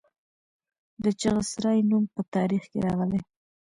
د چغسرای نوم په تاریخ کې راغلی